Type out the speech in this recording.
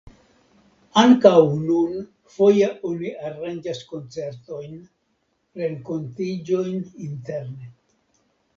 Ankaŭ nun foje oni aranĝas koncertojn, renkontiĝojn interne.